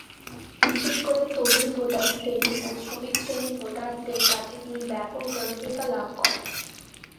বিশেষ করে তরুণ ভোটার শ্রেণী ও শ্রমিক শ্রেণীর ভোটারদের কাছে তিনি ব্যাপক জনপ্রিয়তা লাভ করেন।